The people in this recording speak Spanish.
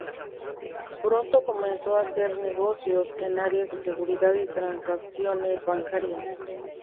Pronto comenzó a hacer negocios en áreas de seguridad y transacciones bancarias.